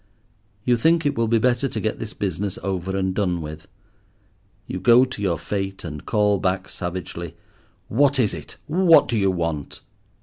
You think it will be better to get this business over and done with. You go to your fate and call back savagely— "What is it? What do you want?"